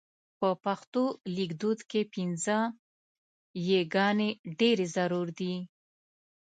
په پښتو لیکدود کې پينځه یې ګانې ډېرې ضرور دي.